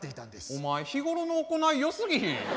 お前日頃の行いよすぎひん？